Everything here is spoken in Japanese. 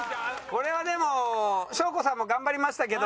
これはでも祥子さんも頑張りましたけど。